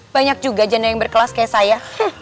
banyak juga janda yang berkelas kayak saya